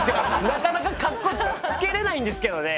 なかなかカッコつけれないんですけどね。